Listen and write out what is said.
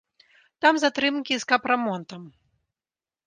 Там затрымкі з капрамонтам.